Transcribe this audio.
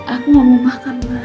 aku mau makan